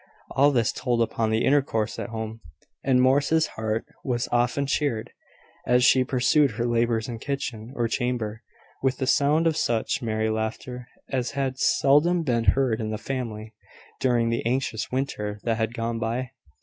All this told upon the intercourse at home; and Morris's heart was often cheered, as she pursued her labours in kitchen or chamber, with the sound of such merry laughter as had seldom been heard in the family, during the anxious winter that had gone by.